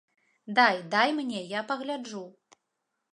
Дай, дай мне, я пагляджу.